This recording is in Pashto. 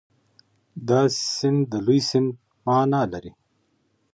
دا سیند د لوی سیند په معنا لري.